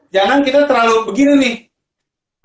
jangan kita terlalu begini nih